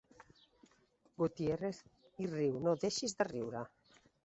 Gutiérrez i Riu, no deixis de riure.